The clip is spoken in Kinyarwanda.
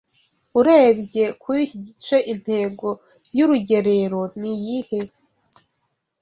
Urebye kuri iki gice intego y urugerero niyihe